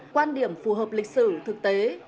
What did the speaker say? quan điểm phù hợp lịch sử thực tế